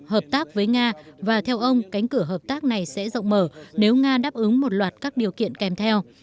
hợp tác với nga và theo ông cánh cửa hợp tác này sẽ rộng mở nếu nga đáp ứng một loạt các điều kiện kèm theo